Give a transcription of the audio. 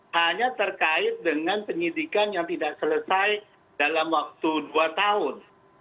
hanya terkait dengan penyidikan yang tidak selesai dalam waktu dua tahun